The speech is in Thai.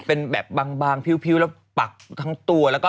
เป็นแบบบางพิวแล้วปักทั้งตัว